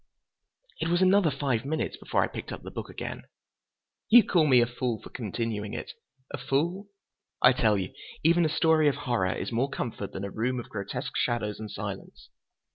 It was another five minutes before I picked up the book again. You call me a fool for continuing it? A fool? I tell you, even a story of horror is more comfort than a room of grotesque shadows and silence.